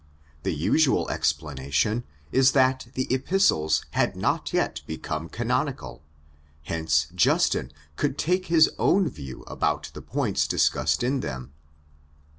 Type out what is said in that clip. The usual explanation is that the Epistles had not yet become canonical; hence Justin could take his own view about the points discussed in them.